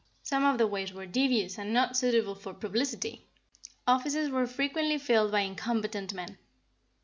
Some of the ways were devious and not suitable for publicity. Offices were frequently filled by incompetent men.